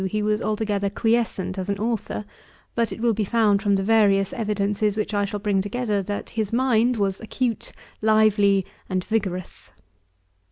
In 1772 he was altogether quiescent as an authour; but it will be found from the various evidences which I shall bring together that his mind was acute, lively, and vigorous.